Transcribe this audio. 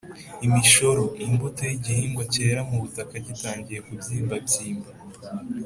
imishoro: imbuto y’igihingwa kerera mu butaka gitangiye kubyimbabyimba